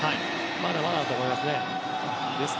まだまだだと思います。